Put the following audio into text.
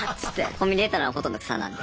コンビニ出たらほとんど草なんで。